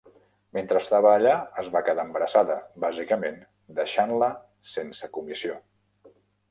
Mentre estava allà, es va quedar embarassada, bàsicament deixant-la sense comissió.